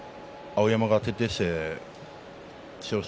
碧山が徹底して千代翔